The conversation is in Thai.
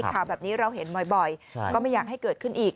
ข่าวแบบนี้เราเห็นบ่อยก็ไม่อยากให้เกิดขึ้นอีก